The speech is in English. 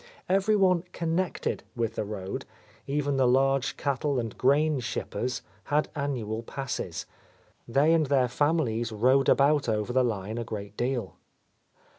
Every one "connected" with the Road, even the large cattle and grain shippers, had annual passes; they and their families rode abouf over the line a great deal.